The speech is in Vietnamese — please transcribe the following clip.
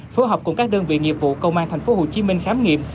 phối hợp cùng các đơn vị nghiệp vụ công an thành phố hồ chí minh khám nghiệm